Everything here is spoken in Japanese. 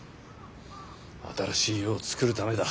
新しい世をつくるためだ。